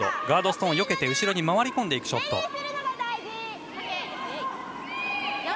ガードストーンをよけて後ろに回り込んでいくショット。